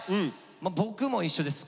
僕も一緒です。